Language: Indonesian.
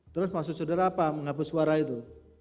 terus maksud sudara apa mengapa suara itu